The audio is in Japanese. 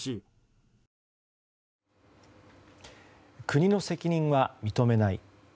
国の責任は認めない。